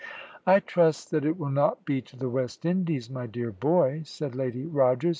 "I trust that it will not be to the West Indies, my dear boy," said Lady Rogers.